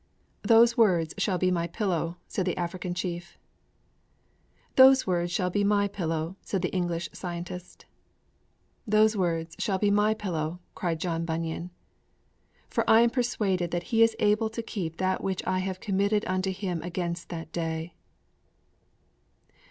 'Those words shall be my pillow!' said the African chief. 'Those words shall be my pillow!' said the English scientist. 'Those words shall be my pillow!' cried John Bunyan. '_For I am persuaded that He is able to keep that which I have committed unto Him against that day!